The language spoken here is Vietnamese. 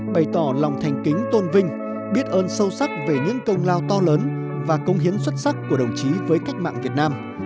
bày tỏ lòng thành kính tôn vinh biết ơn sâu sắc về những công lao to lớn và công hiến xuất sắc của đồng chí với cách mạng việt nam